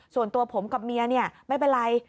ส่วนตัวผมกับเมียเนี่ยไม่เป็นไร